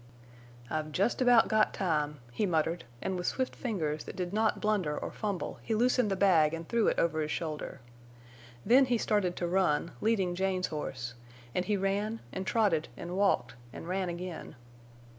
"I've jest about got time," he muttered, and with swift fingers that did not blunder or fumble he loosened the bag and threw it over his shoulder. Then he started to run, leading Jane's horse, and he ran, and trotted, and walked, and ran again.